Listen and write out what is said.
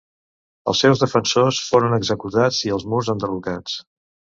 Els seus defensors foren executats i els murs enderrocats.